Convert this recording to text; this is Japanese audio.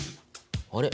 あれ？